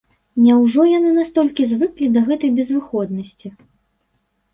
Няўжо яны настолькі звыклі да гэтай безвыходнасці?